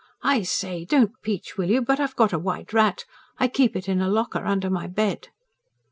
"I say, don't peach, will you, but I've got a white rat. I keep it in a locker under my bed."